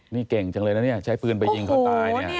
นี่เก่งจังเลยนะเนี่ยใช้ปืนไปยิงเขาตายเนี่ย